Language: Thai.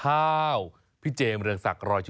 ข้าวพี่เจมส์เป็นยังไง